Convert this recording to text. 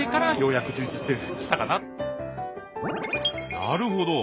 なるほど。